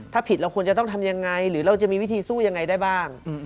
ถ้าผิดเราควรจะต้องทำยังไงหรือเราจะมีวิธีสู้ยังไงได้บ้าง